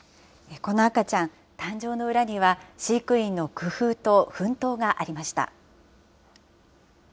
この赤ちゃん、誕生の裏には、飼育員の工夫と奮闘がありました。